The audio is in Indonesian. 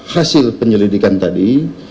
hasil penyelidikan tadi